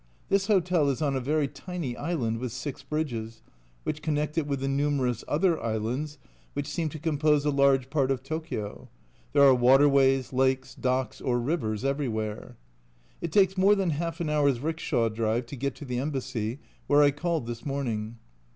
This hotel is on a very tiny island with six bridges, which connect it with the numerous other islands which seem to compose a large part of Tokio there are waterways, lakes, docks, or rivers everywhere. It takes more than half an hour's rickshaw drive to get to the Embassy, where I called this morning.